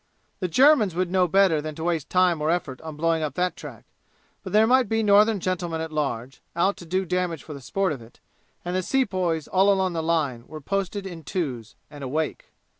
The Germans would know better than to waste time or effort on blowing up that track, but there might be Northern gentlemen at large, out to do damage for the sport of it, and the sepoys all along the line were posted in twos, and awake.